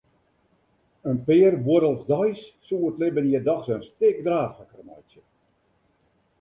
In pear buorrels deis soe it libben hjir dochs in stik draachliker meitsje.